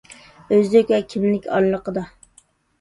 ئۆزلۈك ۋە كىملىك ئارىلىقىدا.